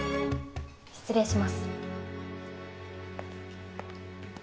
失礼します。